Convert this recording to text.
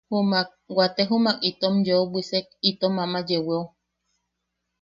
Jumak... wate jumak itom yeu bwissek itom ama yeeweo.